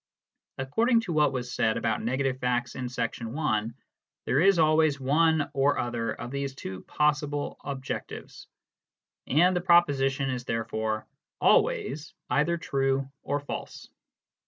According to what was said about negative facts in Section I, there is always one or other of these two possible objectives, and the proposition is therefore always either true or false.